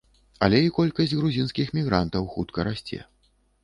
Але і колькасць грузінскіх мігрантаў хутка расце.